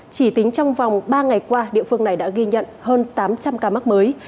chỉ tính trong vòng ba ngày qua địa phương này đã ghi nhận hơn tám trăm linh ca mắc mới